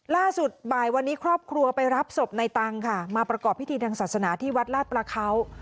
ล่าสุดบ่ายวันนี้ครอบครัวไปรับศพในตังค่ะมาประกอบพิธีทางศาสนาที่วัดลาดประเขา